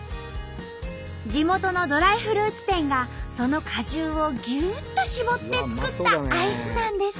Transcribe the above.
地元のドライフルーツ店がその果汁をぎゅっと搾って作ったアイスなんです。